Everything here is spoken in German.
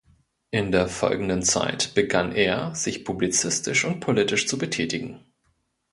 In der folgenden Zeit begann er, sich publizistisch und politisch zu betätigen.